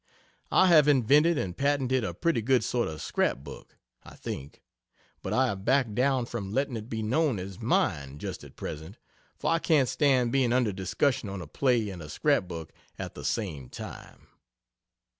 I have invented and patented a pretty good sort of scrap book (I think) but I have backed down from letting it be known as mine just at present for I can't stand being under discussion on a play and a scrap book at the same time!